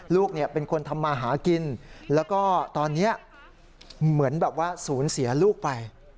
ลูกเป็นคนทำมาหากินแล้วก็ตอนนี้เหมือนแบบว่าศูนย์เสียลูกไป